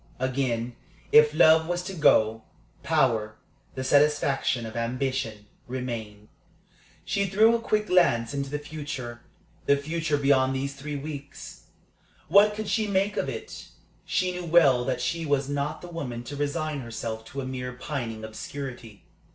Again, if love was to go, power, the satisfaction of ambition, remained. She threw a quick glance into the future the future beyond these three weeks. What could she make of it? She knew well that she was not the woman to resign herself to a mere pining obscurity.